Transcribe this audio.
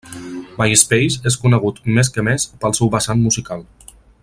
MySpace és conegut més que més pel seu vessant musical.